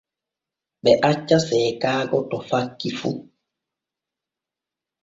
Ɓe acca seekaago to fakki fu.